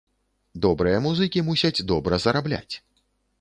Добрыя музыкі мусяць добра зарабляць.